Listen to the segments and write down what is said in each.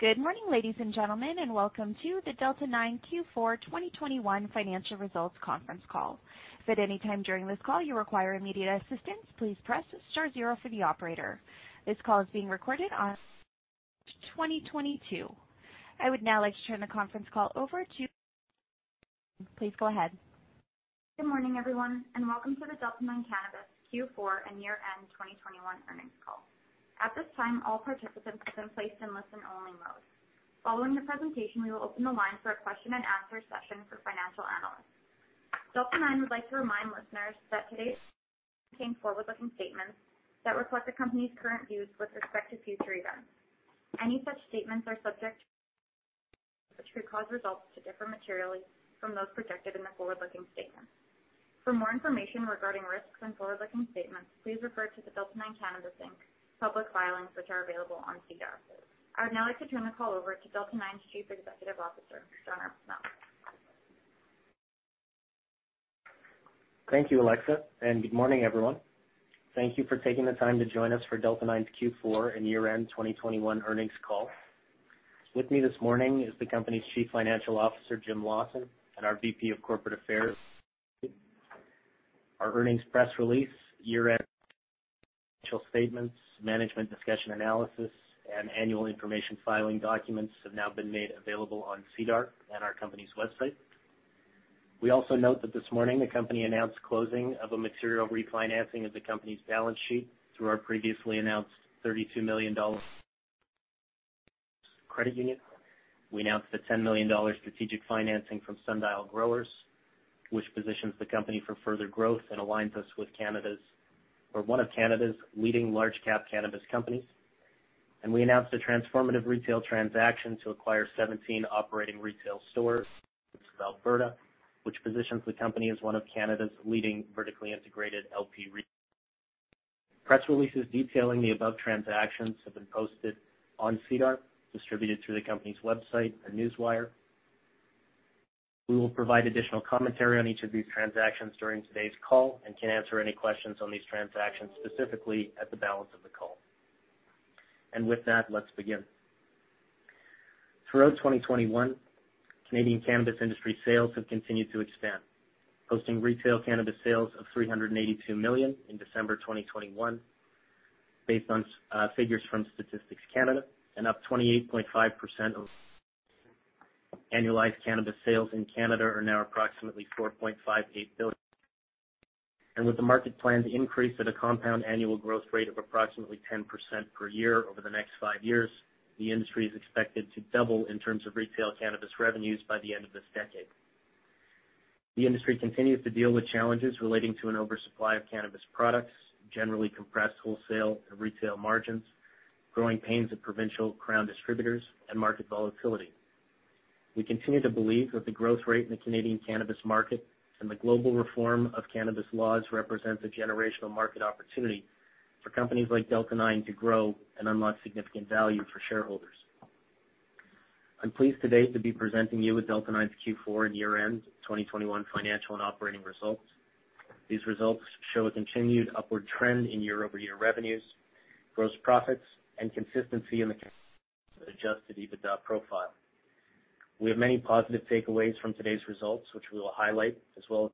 Good morning, ladies and gentlemen, and welcome to the Delta 9 Q4 2021 financial results conference call. If at any time during this call you require immediate assistance, please press star zero for the operator. This call is being recorded in 2022. I would now like to turn the conference call over to. Please go ahead. Good morning, everyone, and welcome to the Delta 9 Cannabis Q4 and year-end 2021 earnings call. At this time, all participants have been placed in listen-only mode. Following the presentation, we will open the line for a question and answer session for financial analysts. Delta 9 would like to remind listeners that today's forward-looking statements that reflect the company's current views with respect to future events. Any such statements are subject, which could cause results to differ materially from those projected in the forward-looking statements. For more information regarding risks and forward-looking statements, please refer to the Delta 9 Cannabis Inc. public filings, which are available on SEDAR. I would now like to turn the call over to Delta 9's Chief Executive Officer, John Arbuthnot. Thank you, Alexa, and good morning, everyone. Thank you for taking the time to join us for Delta 9's Q4 and year-end 2021 earnings call. With me this morning is the company's Chief Financial Officer, Jim Lawson, and our VP of Corporate Affairs. Our earnings press release, year-end statements, management's discussion and analysis, and annual information filing documents have now been made available on SEDAR at our company's website. We also note that this morning the company announced closing of a material refinancing of the company's balance sheet through our previously announced 32 million dollars Credit Union. We announced a 10 million dollars strategic financing from Sundial Growers Inc, which positions the company for further growth and aligns us with Canada's or one of Canada's leading large cap cannabis companies. We announced a transformative retail transaction to acquire 17 operating retail stores of Alberta, which positions the company as one of Canada's leading vertically integrated LP retailers. Press releases detailing the above transactions have been posted on SEDAR, distributed through the company's website and Newswire. We will provide additional commentary on each of these transactions during today's call and can answer any questions on these transactions specifically at the balance of the call. With that, let's begin. Throughout 2021, Canadian cannabis industry sales have continued to expand, posting retail cannabis sales of 382 million in December 2021, based on figures from Statistics Canada and up 28.5% of annualized cannabis sales in Canada are now approximately 4.58 billion. With the market planned to increase at a compound annual growth rate of approximately 10% per year over the next five years, the industry is expected to double in terms of retail cannabis revenues by the end of this decade. The industry continues to deal with challenges relating to an oversupply of cannabis products, generally compressed wholesale and retail margins, growing pains of provincial crown distributors and market volatility. We continue to believe that the growth rate in the Canadian cannabis market and the global reform of cannabis laws represents a generational market opportunity for companies like Delta 9 to grow and unlock significant value for shareholders. I'm pleased today to be presenting you with Delta 9's Q4 and year-end 2021 financial and operating results. These results show a continued upward trend in year-over-year revenues, gross profits and consistency in the adjusted EBITDA profile. We have many positive takeaways from today's results, which we will highlight, as well as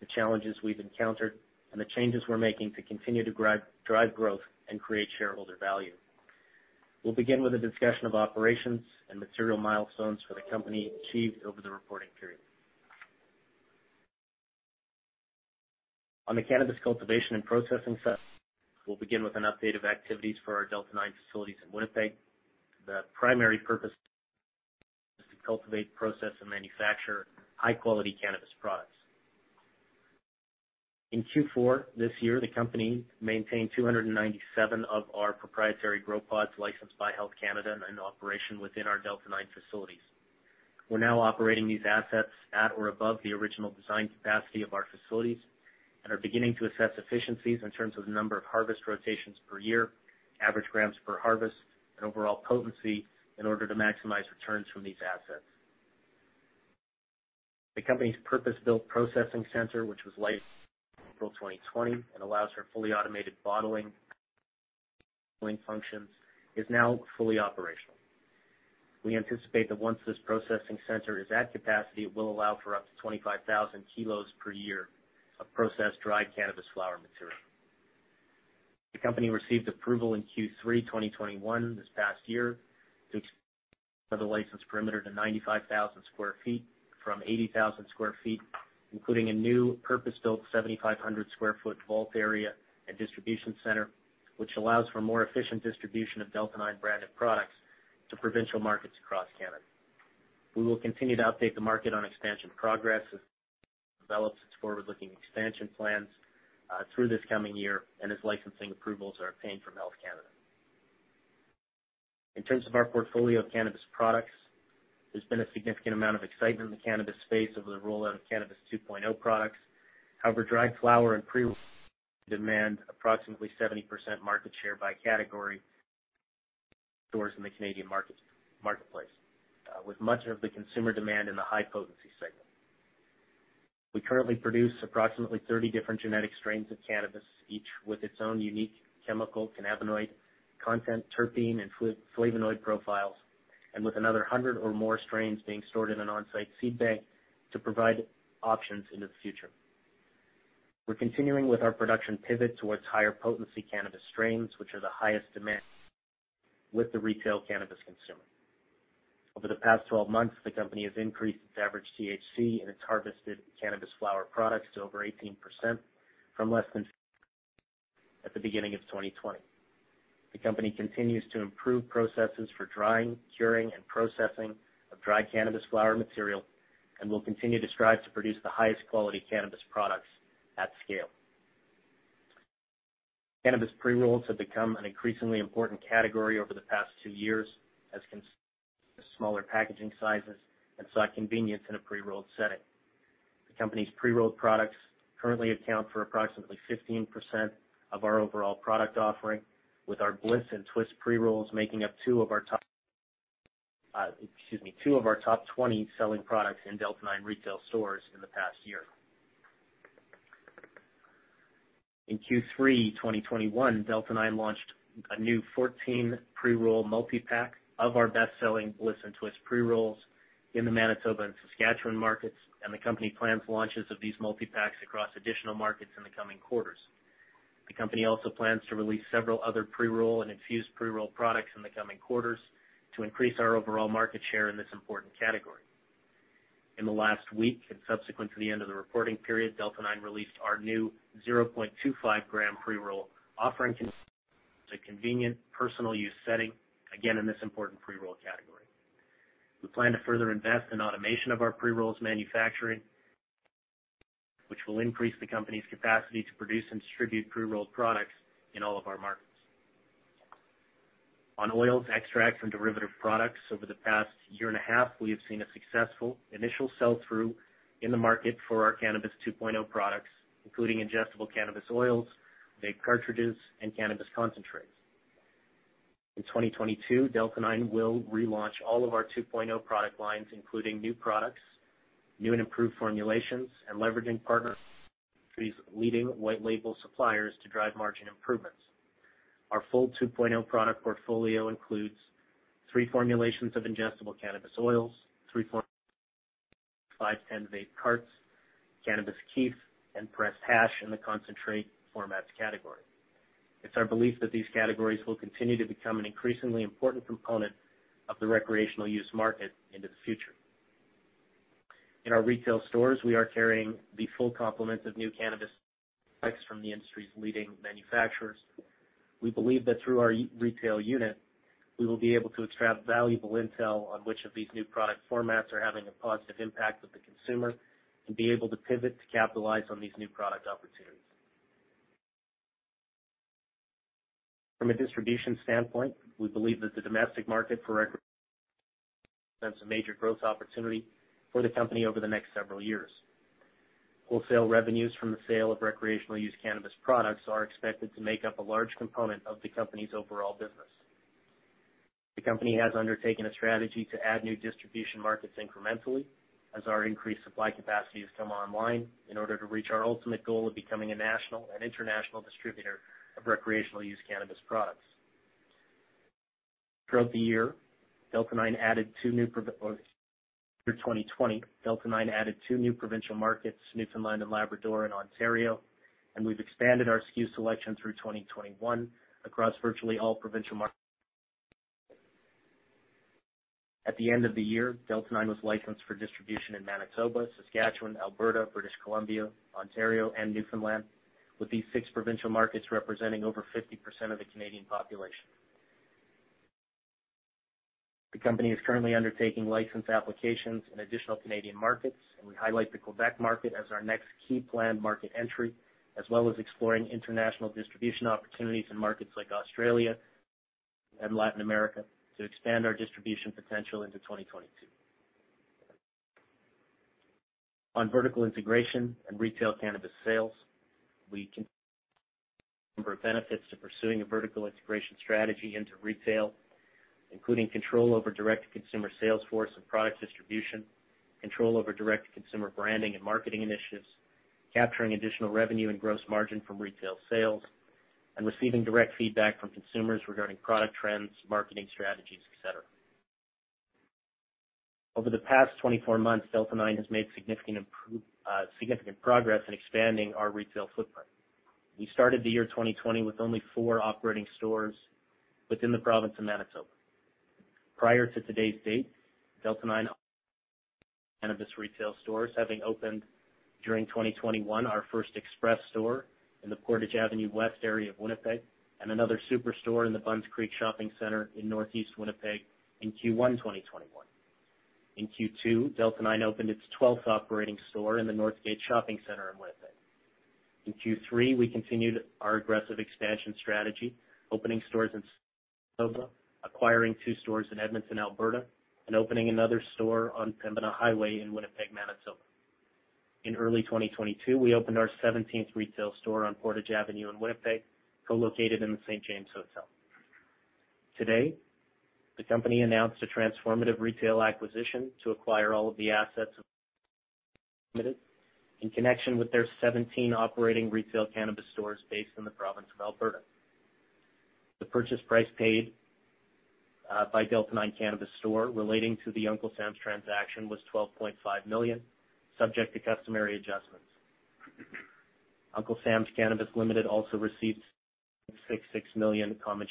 the challenges we've encountered and the changes we're making to continue to drive growth and create shareholder value. We'll begin with a discussion of operations and material milestones for the company achieved over the reporting period. On the cannabis cultivation and processing, we'll begin with an update of activities for our Delta 9 facilities in Winnipeg. The primary purpose is to cultivate, process, and manufacture high-quality cannabis products. In Q4 this year, the company maintained 297 of our proprietary Grow Pods licensed by Health Canada and in operation within our Delta 9 facilities. We're now operating these assets at or above the original design capacity of our facilities and are beginning to assess efficiencies in terms of the number of harvest rotations per year, average grams per harvest, and overall potency in order to maximize returns from these assets. The company's purpose-built processing center, which was licensed April 2020 and allows for fully automated bottling functions, is now fully operational. We anticipate that once this processing center is at capacity, it will allow for up to 25,000 kilos per year of processed dried cannabis flower material. The company received approval in Q3 2021 this past year to the license perimeter to 95,000 sq ft from 80,000 sq ft, including a new purpose-built 7,500 sq ft vault area and distribution center, which allows for more efficient distribution of Delta 9 branded products to provincial markets across Canada. We will continue to update the market on expansion progress as it develops its forward-looking expansion plans through this coming year and as licensing approvals are obtained from Health Canada. In terms of our portfolio of cannabis products, there's been a significant amount of excitement in the cannabis space over the rollout of Cannabis 2.0 products. However, dried flower and pre-roll demand approximately 70% market share by category stores in the Canadian marketplace, with much of the consumer demand in the high potency segment. We currently produce approximately 30 different genetic strains of cannabis, each with its own unique chemical cannabinoid content, terpene, and flavonoid profiles, and with another 100 or more strains being stored in an on-site seed bank to provide options into the future. We're continuing with our production pivot towards higher potency cannabis strains, which are the highest demand with the retail cannabis consumer. Over the past 12 months, the company has increased its average THC in its harvested cannabis flower products to over 18% from less than at the beginning of 2020. The company continues to improve processes for drying, curing, and processing of dry cannabis flower material and will continue to strive to produce the highest quality cannabis products at scale. Cannabis pre-rolls have become an increasingly important category over the past 2 years as smaller packaging sizes and sought convenience in a pre-rolled setting. The company's pre-rolled products currently account for approximately 15% of our overall product offering, with our Bliss and Twist pre-rolls making up two of our top 20 selling products in Delta 9 retail stores in the past year. In Q3-2021, Delta 9 launched a new 14 pre-roll multi-pack of our best-selling Bliss and Twist pre-rolls in the Manitoba and Saskatchewan markets, and the company plans launches of these multi-packs across additional markets in the coming quarters. The company also plans to release several other pre-roll and infused pre-roll products in the coming quarters to increase our overall market share in this important category. In the last week and subsequent to the end of the reporting period, Delta 9 released our new 0.25 gram pre-roll, offering a convenient personal use setting, again in this important pre-roll category. We plan to further invest in automation of our pre-rolls manufacturing, which will increase the company's capacity to produce and distribute pre-rolled products in all of our markets. On oils, extracts, and derivative products, over the past year and a half, we have seen a successful initial sell-through in the market for our Cannabis 2.0 products, including ingestible cannabis oils, vape cartridges, and cannabis concentrates. In 2022, Delta 9 will relaunch all of our 2.0 product lines, including new products, new and improved formulations, and leveraging partners, these leading white label suppliers to drive margin improvements. Our full 2.0 product portfolio includes 3 formulations of ingestible cannabis oils, 510 vape carts, cannabis kief, and pressed hash in the concentrate formats category. It's our belief that these categories will continue to become an increasingly important component of the recreational use market into the future. In our retail stores, we are carrying the full complement of new cannabis from the industry's leading manufacturers. We believe that through our e-retail unit, we will be able to extract valuable intel on which of these new product formats are having a positive impact with the consumer and be able to pivot to capitalize on these new product opportunities. From a distribution standpoint, we believe that the domestic market for cannabis represents a major growth opportunity for the company over the next several years. Wholesale revenues from the sale of recreational use cannabis products are expected to make up a large component of the company's overall business. The company has undertaken a strategy to add new distribution markets incrementally as our increased supply capacity has come online in order to reach our ultimate goal of becoming a national and international distributor of recreational-use cannabis products. Throughout the year, 2020 Delta 9 added two new provincial markets, Newfoundland and Labrador and Ontario, and we've expanded our SKU selection through 2021 across virtually all provincial markets. At the end of the year, Delta 9 was licensed for distribution in Manitoba, Saskatchewan, Alberta, British Columbia, Ontario, and Newfoundland, with these six provincial markets representing over 50% of the Canadian population. The company is currently undertaking license applications in additional Canadian markets, and we highlight the Quebec market as our next key planned market entry, as well as exploring international distribution opportunities in markets like Australia and Latin America to expand our distribution potential into 2022. On vertical integration and retail cannabis sales, there are a number of benefits to pursuing a vertical integration strategy into retail, including control over direct-to-consumer sales force and product distribution, control over direct-to-consumer branding and marketing initiatives, capturing additional revenue and gross margin from retail sales, and receiving direct feedback from consumers regarding product trends, marketing strategies, et cetera. Over the past 24 months, Delta 9 has made significant progress in expanding our retail footprint. We started the year 2020 with only four operating stores within the province of Manitoba. Prior to today's date, Delta 9 Cannabis has opened during 2021 our first express store in the Portage Avenue West area of Winnipeg and another super store in the Bunn's Creek Shopping Mall in northeast Winnipeg in Q1 2021. In Q2, Delta 9 opened its twelfth operating store in the Northgate Shopping Center in Winnipeg. In Q3, we continued our aggressive expansion strategy, opening stores in Manitoba, acquiring two stores in Edmonton, Alberta, and opening another store on Pembina Highway in Winnipeg, Manitoba. In early 2022, we opened our 17th retail store on Portage Avenue in Winnipeg, co-located in the St. James Hotel. Today, the company announced a transformative retail acquisition to acquire all of the assets in connection with their 17 operating retail cannabis stores based in the province of Alberta. The purchase price paid by Delta 9 Cannabis relating to the Uncle Sam's transaction was 12.5 million, subject to customary adjustments. Uncle Sam's Cannabis Ltd. also received 6 million common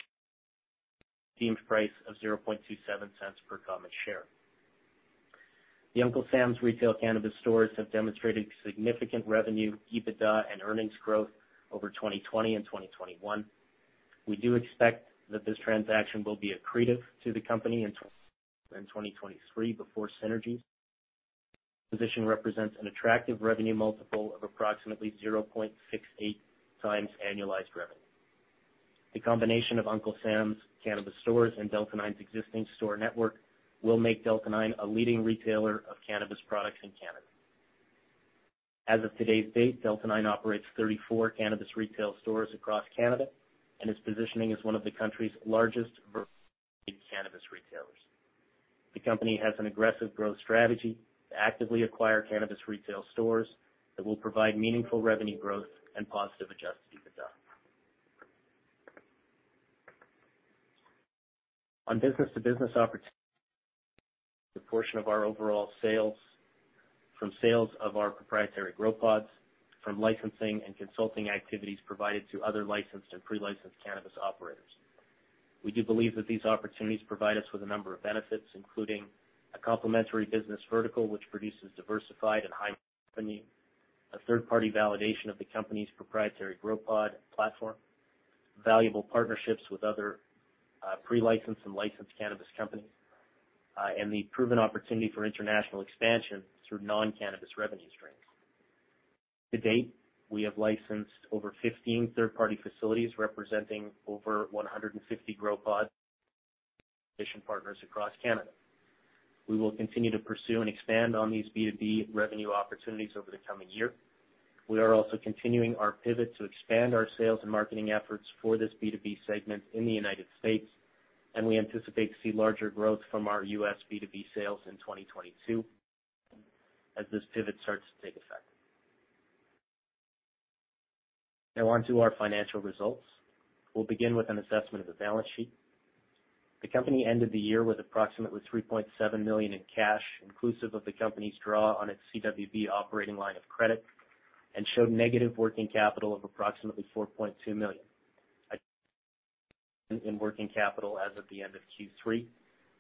shares priced at 0.27 per common share. The Uncle Sam's retail cannabis stores have demonstrated significant revenue, EBITDA, and earnings growth over 2020 and 2021. We do expect that this transaction will be accretive to the company in 2023 before synergies. Position represents an attractive revenue multiple of approximately 0.68x annualized revenue. The combination of Uncle Sam's Cannabis Ltd. and Delta 9's existing store network will make Delta 9 a leading retailer of cannabis products in Canada. As of today's date, Delta 9 operates 34 cannabis retail stores across Canada and is positioning as one of the country's largest cannabis retailers. The company has an aggressive growth strategy to actively acquire cannabis retail stores that will provide meaningful revenue growth and positive adjusted EBITDA. On business-to-business opportunities, the portion of our overall sales from sales of our proprietary Grow Pods from licensing and consulting activities provided to other licensed and pre-licensed cannabis operators. We do believe that these opportunities provide us with a number of benefits, including a complementary business vertical which produces diversified and high-quality third-party validation of the company's proprietary Grow Pod platform, valuable partnerships with other pre-licensed and licensed cannabis companies, and the proven opportunity for international expansion through non-cannabis revenue streams. To date, we have licensed over 15 third-party facilities representing over 150 Grow Pods partners across Canada. We will continue to pursue and expand on these B2B revenue opportunities over the coming year. We are also continuing our pivot to expand our sales and marketing efforts for this B2B segment in the United States, and we anticipate to see larger growth from our U.S. B2B sales in 2022 as this pivot starts to take effect. Now on to our financial results. We'll begin with an assessment of the balance sheet. The company ended the year with approximately 3.7 million in cash, inclusive of the company's draw on its CWB operating line of credit, and showed negative working capital of approximately 4.2 million in working capital as of the end of Q3,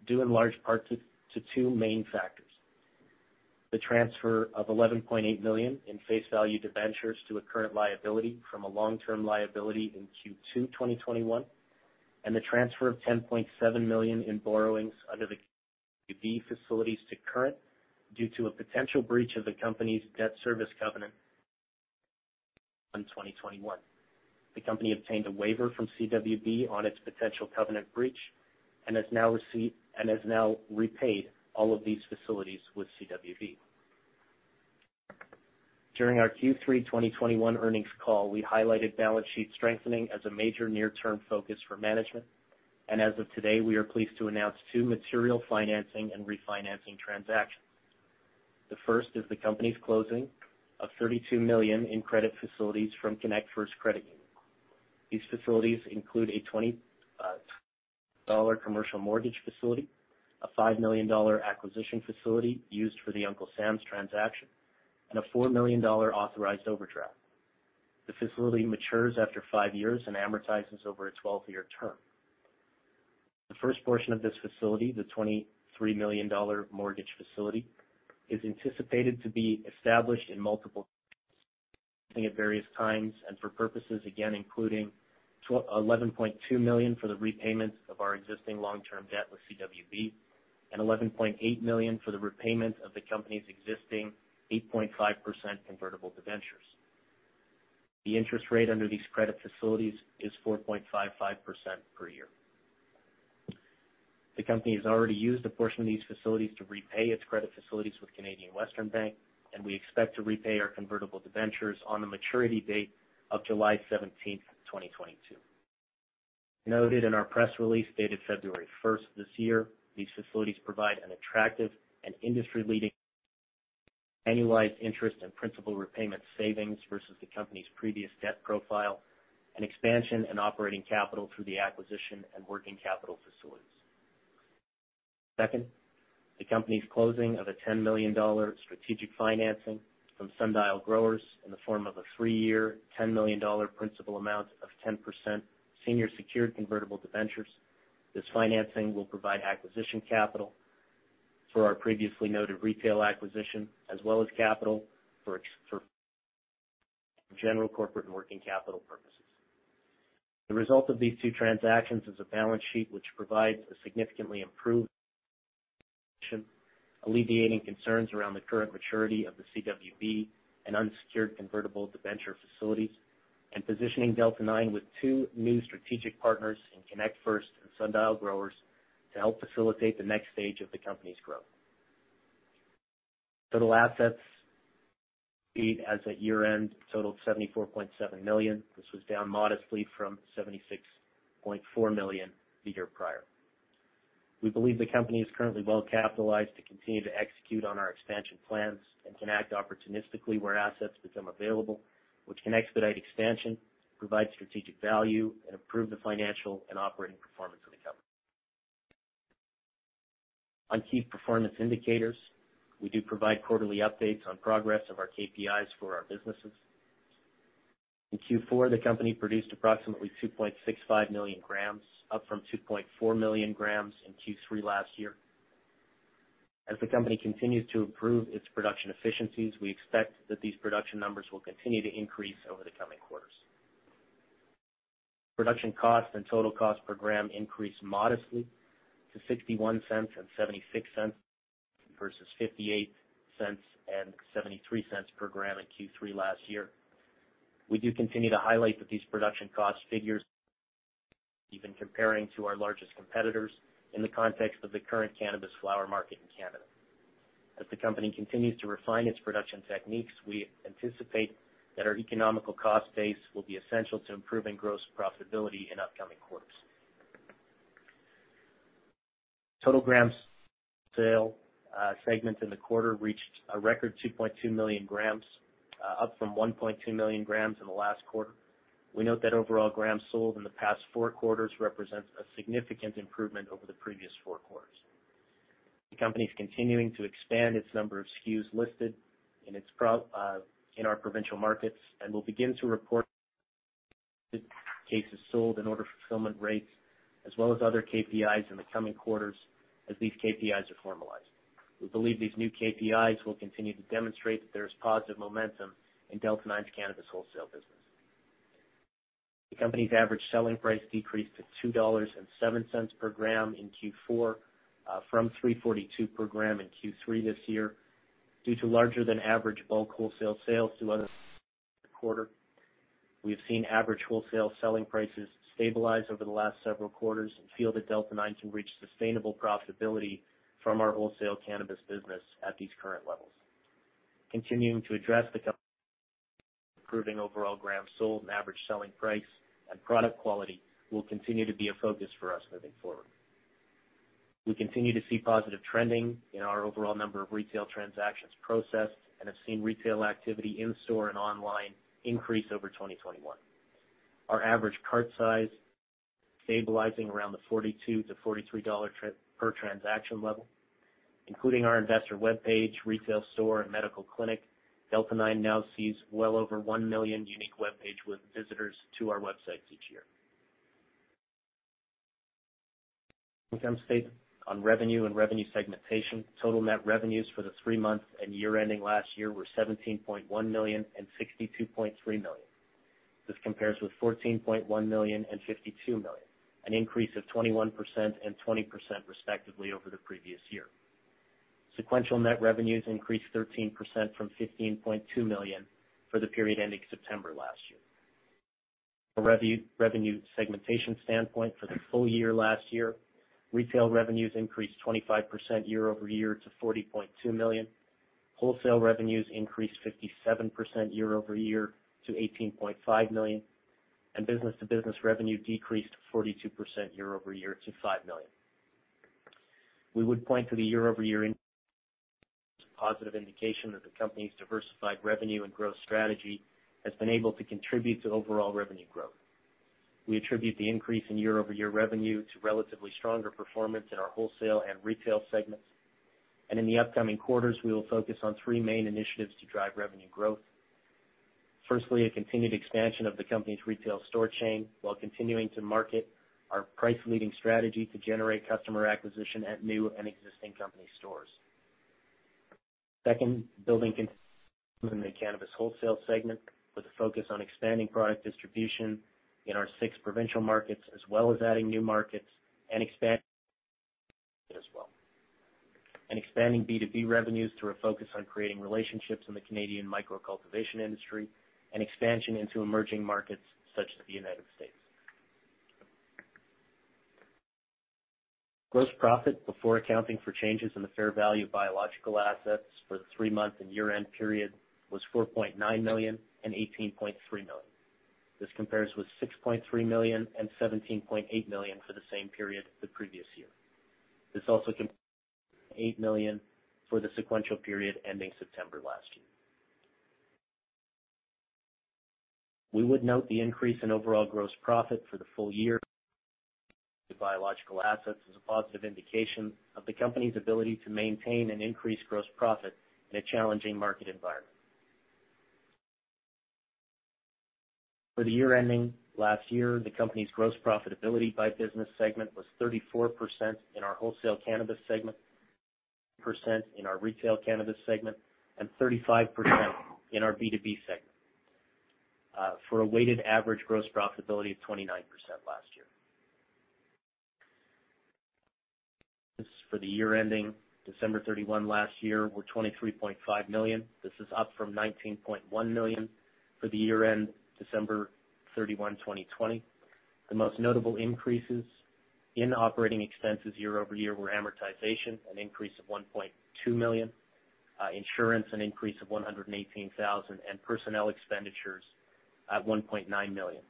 due in large part to two main factors. The transfer of 11.8 million in face value debentures to a current liability from a long-term liability in Q2 2021, and the transfer of 10.7 million in borrowings under the facilities to current due to a potential breach of the company's debt service covenant 2021. The company obtained a waiver from CWB on its potential covenant breach and has now repaid all of these facilities with CWB. During our Q3 2021 earnings call, we highlighted balance sheet strengthening as a major near-term focus for management, and as of today, we are pleased to announce two material financing and refinancing transactions. The first is the company's closing of 32 million in credit facilities from connectFirst Credit Union. These facilities include a 20 dollar commercial mortgage facility, a 5 million dollar acquisition facility used for the Uncle Sam's transaction, and a 4 million dollar authorized overdraft. The facility matures after five years and amortizes over a 12-year term. The first portion of this facility, the 23 million dollar mortgage facility, is anticipated to be established in multiples at various times and for purposes, again, including 11.2 million for the repayment of our existing long-term debt with CWB and 11.8 million for the repayment of the company's existing 8.5% convertible debentures. The interest rate under these credit facilities is 4.55% per year. The company has already used a portion of these facilities to repay its credit facilities with Canadian Western Bank, and we expect to repay our convertible debentures on the maturity date of July 17, 2022. Noted in our press release dated February first this year, these facilities provide an attractive and industry-leading annualized interest and principal repayment savings versus the company's previous debt profile and expansion and operating capital through the acquisition and working capital facilities. Second, the company's closing of a 10 million dollar strategic financing from Sundial Growers in the form of a three-year, 10 million dollar principal amount of 10% senior secured convertible debentures. This financing will provide acquisition capital for our previously noted retail acquisition as well as capital for general corporate and working capital purposes. The result of these two transactions is a balance sheet which provides a significantly improved alleviating concerns around the current maturity of the CWB and unsecured convertible debenture facilities and positioning Delta 9 with two new strategic partners in connectFirst and Sundial Growers to help facilitate the next stage of the company's growth. Total assets as at year-end totaled 74.7 million. This was down modestly from 76.4 million the year prior. We believe the company is currently well capitalized to continue to execute on our expansion plans and can act opportunistically where assets become available, which can expedite expansion, provide strategic value, and improve the financial and operating performance of the company. On key performance indicators, we do provide quarterly updates on progress of our KPIs for our businesses. In Q4, the company produced approximately 2.65 million grams, up from 2.4 million grams in Q3 last year. As the company continues to improve its production efficiencies, we expect that these production numbers will continue to increase over the coming quarters. Production costs and total cost per gram increased modestly to 0.61 and 0.76 versus 0.58 and 0.73 per gram in Q3 last year. We do continue to highlight that these production cost figures, even comparing to our largest competitors in the context of the current cannabis flower market in Canada. As the company continues to refine its production techniques, we anticipate that our economic cost base will be essential to improving gross profitability in upcoming quarters. Total grams sold segment in the quarter reached a record 2.2 million grams, up from 1.2 million grams in the last quarter. We note that overall grams sold in the past 4 quarters represents a significant improvement over the previous 4 quarters. The company is continuing to expand its number of SKUs listed in our provincial markets, and we'll begin to report cases sold and order fulfillment rates, as well as other KPIs in the coming quarters as these KPIs are formalized. We believe these new KPIs will continue to demonstrate that there is positive momentum in Delta 9's cannabis wholesale business. The company's average selling price decreased to 2.07 dollars per gram in Q4 from 3.42 per gram in Q3 this year due to larger than average bulk wholesale sales to other quarter. We have seen average wholesale selling prices stabilize over the last several quarters and feel that Delta 9 can reach sustainable profitability from our wholesale cannabis business at these current levels. Continuing to address the improving overall grams sold and average selling price and product quality will continue to be a focus for us moving forward. We continue to see positive trending in our overall number of retail transactions processed and have seen retail activity in store and online increase over 2021. Our average cart size stabilizing around the 42-43 dollar per transaction level, including our investor web page, retail store, and medical clinic. Delta 9 now sees well over 1 million unique webpage visitors to our websites each year. Income statement on revenue and revenue segmentation Total net revenues for the three months and year-ending last year were 17.1 million and 62.3 million. This compares with 14.1 million and CAd 52 million, an increase of 21% and 20% respectively over the previous year. Sequential net revenues increased 13% from 15.2 million for the period ending September last year. From a revenue segmentation standpoint for the full year last year, retail revenues increased 25% year-over-year to 40.2 million. Wholesale revenues increased 57% year-over-year to 18.5 million, and business-to-business revenue decreased 42% year-over-year to 5 million. We would point to the year-over-year as a positive indication that the company's diversified revenue and growth strategy has been able to contribute to overall revenue growth. We attribute the increase in year-over-year revenue to relatively stronger performance in our wholesale and retail segments. In the upcoming quarters, we will focus on three main initiatives to drive revenue growth. Firstly, a continued expansion of the company's retail store chain while continuing to market our price-leading strategy to generate customer acquisition at new and existing company stores. Second, building in the cannabis wholesale segment with a focus on expanding product distribution in our six provincial markets, as well as adding new markets and expanding as well. Expanding B2B revenues through a focus on creating relationships in the Canadian micro cultivation industry and expansion into emerging markets such as the United States. Gross profit before accounting for changes in the fair value biological assets for the three-month and year-end period was 4.9 million and 18.3 million. This compares with 6.3 million and 17.8 million for the same period the previous year. This also 8 million for the sequential period ending September last year. We would note the increase in overall gross profit for the full year to biological assets is a positive indication of the company's ability to maintain an increased gross profit in a challenging market environment. For the year ending last year, the company's gross profitability by business segment was 34% in our wholesale cannabis segment, percent in our retail cannabis segment, and 35% in our B2B segment for a weighted average gross profitability of 29% last year. For the year ending December 31 last year were 23.5 million. This is up from 19.1 million for the year end December 31, 2020. The most notable increases in operating expenses year-over-year were amortization, an increase of 1.2 million, insurance, an increase of 118,000, and personnel expenditures at 1.9 million.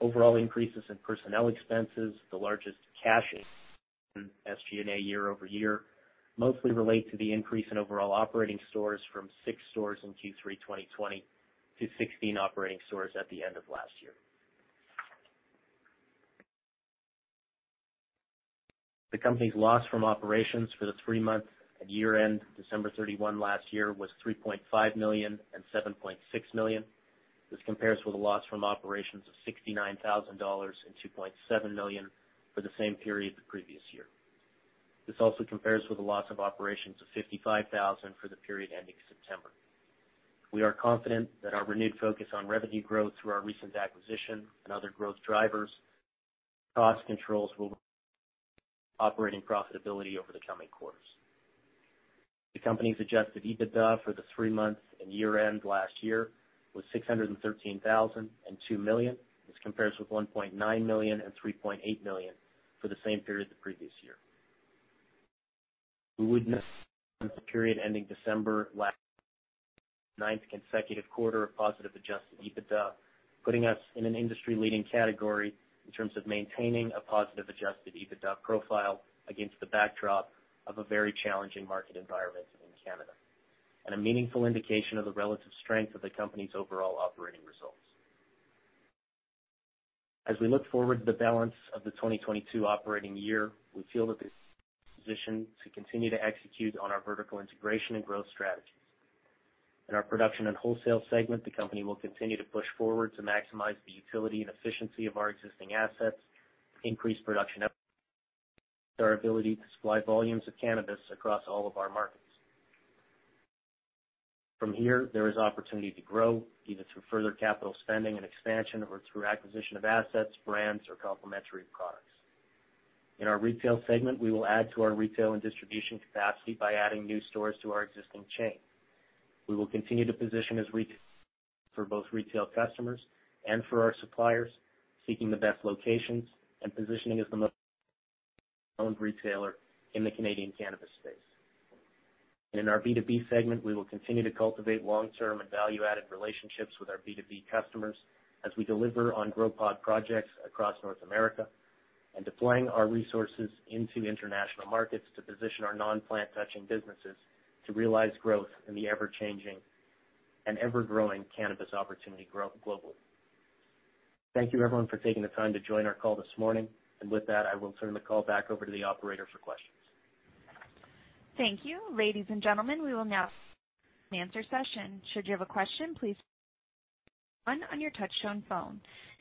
Overall increases in personnel expenses, the largest cash SG&A year-over-year, mostly relate to the increase in overall operating stores from six stores in Q3 2020 to 16 operating stores at the end of last year. The company's loss from operations for the three-month and year-end December 31 last year was 3.5 million and 7.6 million. This compares with a loss from operations of 69,000 dollars and 2.7 million for the same period the previous year. This also compares with a loss from operations of 55,000 for the period ending September. We are confident that our renewed focus on revenue growth through our recent acquisition and other growth drivers and cost controls will improve operating profitability over the coming quarters. The company's adjusted EBITDA for the three-month and year-end last year was 613,000 and 2 million. This compares with 1.9 million and 3.8 million for the same period the previous year. We ended the period ending December 31, our ninth consecutive quarter of positive adjusted EBITDA, putting us in an industry-leading category in terms of maintaining a positive adjusted EBITDA profile against the backdrop of a very challenging market environment in Canada, and a meaningful indication of the relative strength of the company's overall operating results. As we look forward to the balance of the 2022 operating year, we feel that this positions us to continue to execute on our vertical integration and growth strategies. In our production and wholesale segment, the company will continue to push forward to maximize the utility and efficiency of our existing assets, increase production and our ability to supply volumes of cannabis across all of our markets. From here, there is opportunity to grow, either through further capital spending and expansion or through acquisition of assets, brands or complementary products. In our retail segment, we will add to our retail and distribution capacity by adding new stores to our existing chain. We will continue to position ourselves for both retail customers and for our suppliers, seeking the best locations and positioning as the most owned retailer in the Canadian cannabis space. In our B2B segment, we will continue to cultivate long-term and value-added relationships with our B2B customers as we deliver on Grow Pod projects across North America and deploying our resources into international markets to position our non-plant touching businesses to realize growth in the ever-changing and ever-growing cannabis opportunity grow, globally. Thank you everyone for taking the time to join our call this morning. With that, I will turn the call back over to the operator for questions. Thank you. Ladies and gentlemen, we will now answer session. Should you have a question, please on your touchtone phone.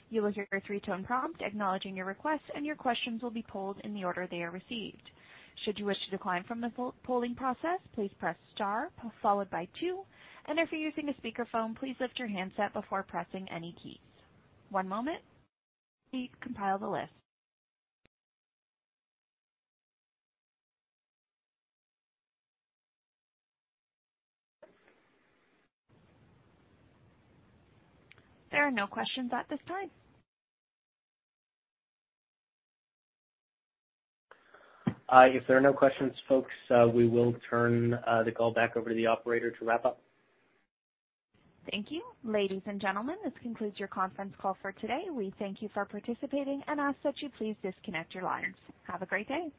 You will hear your three-tone prompt acknowledging your request, and your questions will be polled in the order they are received. Should you wish to decline from the poll, polling process, please press star followed by two. And if you're using a speakerphone, please lift your handset before pressing any keys. One moment as we compile the list. There are no questions at this time. If there are no questions, folks, we will turn the call back over to the operator to wrap up. Thank you. Ladies and gentlemen, this concludes your conference call for today. We thank you for participating and ask that you please disconnect your lines. Have a great day.